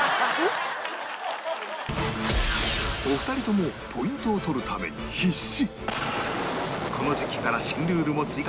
お二人ともポイントを取るために必死！